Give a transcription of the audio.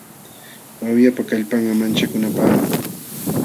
Wawyapa kallpanqa manchakunapaqmi.